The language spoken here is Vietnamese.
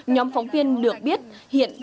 nhóm phóng viên được biết hiện